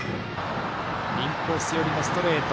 インコース寄りのストレート。